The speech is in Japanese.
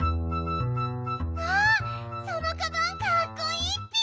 わあそのカバンかっこいいッピ！